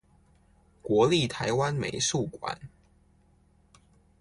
國立臺灣美術館